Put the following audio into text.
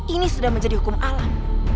ini sudah menjadi hukum alam